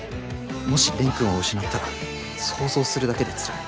もし蓮くんを失ったら想像するだけでつらい。